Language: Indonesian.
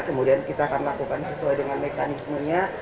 kemudian kita akan lakukan sesuai dengan mekanismenya